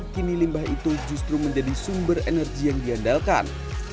kini limbah itu justru menjadi sumber energi yang diandalkan